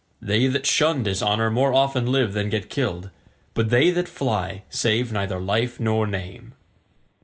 They that shun dishonour more often live than get killed, but they that fly save neither life nor name."